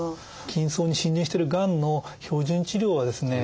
筋層に浸潤しているがんの標準治療はですね